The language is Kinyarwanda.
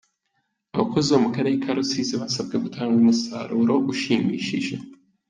Abakozi bo mu karere ka Rusizi basabwe gutanga umusaruro ushimishije.